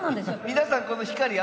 皆さん。